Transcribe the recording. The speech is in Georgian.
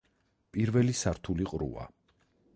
პირველი სართული ყრუა.